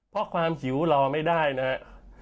เพราะความหิวรอไม่ได้นะครับ